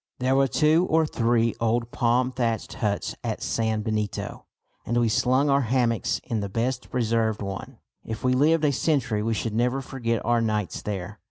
There were two or three old palm thatched huts at San Benito, and we slung our hammocks in the best preserved one. If we lived a century we should never forget our nights there.